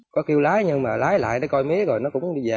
có kêu lái nhưng mà lái lại nó coi mía rồi nó cũng đi về